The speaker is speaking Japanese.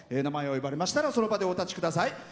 名前を呼ばれましたらその場でお立ち下さい。